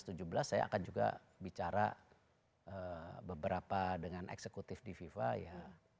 tanggal enam belas tujuh belas saya akan juga bicara beberapa dengan eksekutif di viva ya